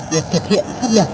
để thực hiện phát biệt